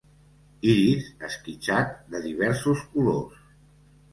Iris esquitxat de diversos colors.